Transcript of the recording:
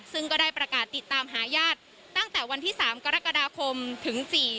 ซึ่งก็ได้ประกาศติดตามหาญาติตั้งแต่วันที่๓กรกฎาคมถึง๔